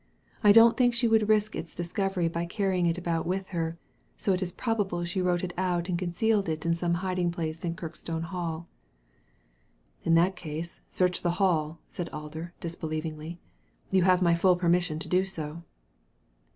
I don't think she would risk its discovery by carrying it about with her, so it is probable she wrote it out and concealed it in some hiding place at Kirkstone Hall." " In that case search the Hall," said Alder, dis bclievingly. You have my full permission to do so."